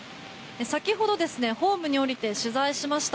先ほどホームに降りて取材しました。